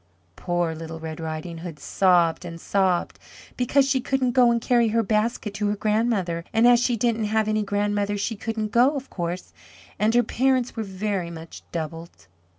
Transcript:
Poor little Red Riding hood sobbed and sobbed because she couldn't go and carry her basket to her grandmother, and as she didn't have any grandmother she couldn't go, of course, and her parents were very much doubled.